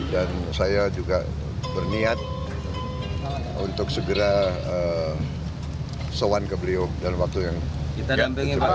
dan saya juga berniat untuk segera sewan ke beliau dalam waktu yang tidak terlalu lama